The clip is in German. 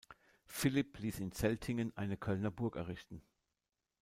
Philipp ließ in Zeltingen eine Kölner Burg errichten.